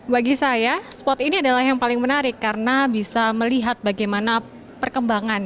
bagi saya spot ini adalah yang paling menarik karena bisa melihat bagaimana perkembangan